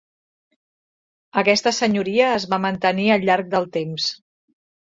Aquesta senyoria es va mantenir al llarg del temps.